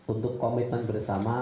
untuk komitmen bersama